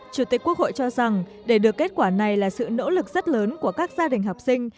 chủ tịch quốc hội cho rằng để được kết quả này là sự nỗ lực rất lớn của các gia đình học sinh